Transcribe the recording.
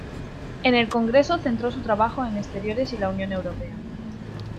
En el Congreso centró su trabajo en Exteriores y la Unión Europea.